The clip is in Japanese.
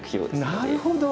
なるほど！